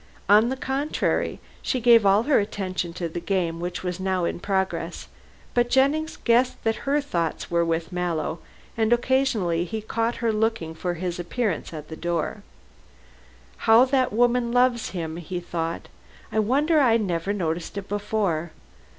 On the contrary, she gave all her attention to the game which was now in progress, but Jennings guessed that her thoughts were with Mallow, and occasionally he caught her looking for his appearance at the door. "How that woman loves him," he thought, "I wonder I never noticed it before.